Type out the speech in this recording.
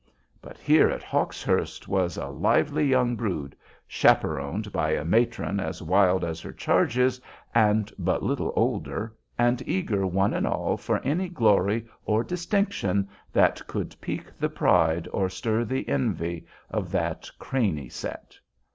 But here at "Hawkshurst" was a lively young brood, chaperoned by a matron as wild as her charges and but little older, and eager one and all for any glory or distinction that could pique the pride or stir the envy of "that Craney set."